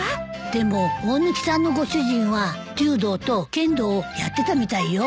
でも大貫さんのご主人は柔道と剣道をやってたみたいよ。